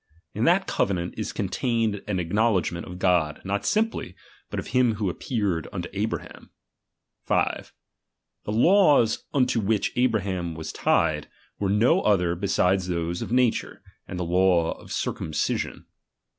In that covenant is contained an ac knowledgment uf God, not simply, but of him who appeared unto Abraham. 5. The laws unto which Abraham was tied, were no other beside those of nature, and the law of circum cision.